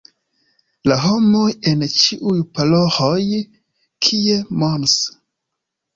La homoj en ĉiuj paroĥoj, kie Mons.